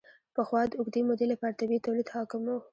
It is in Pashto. پخوا د اوږدې مودې لپاره طبیعي تولید حاکم و.